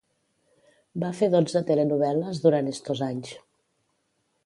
Va fer dotze telenovel·les durant estos anys.